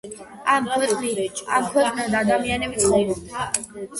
ამ ქვეყნად ადამიანები ცხოვრობენ